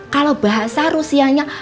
kalo bahasa rusianya